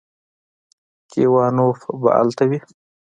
چې ايوانوف به الته وي.